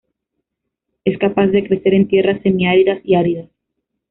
Es capaz de crecer en tierras semiáridas y áridas.